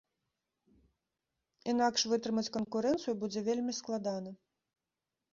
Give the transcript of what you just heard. Інакш вытрымаць канкурэнцыю будзе вельмі складана.